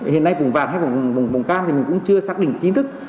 hiện nay vùng vàng hay vùng cam thì mình cũng chưa xác định kiến thức